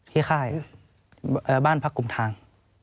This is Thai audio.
ค่ายบ้านพักกลุ่มทาง